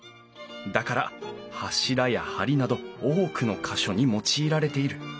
だから柱や梁など多くの箇所に用いられている。